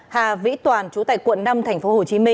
hà vĩ toàn chủ tài quận năm tp hcm